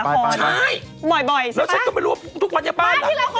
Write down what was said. บ้านที่เราก้อไปเปล่า